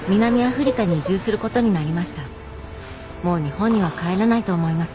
「もう日本には帰らないと思います」